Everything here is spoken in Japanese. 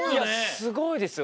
すごいですよ。